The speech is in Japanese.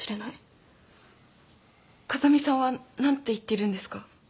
風見さんは何て言ってるんですか？